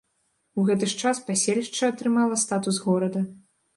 У гэты ж час паселішча атрымала статус горада.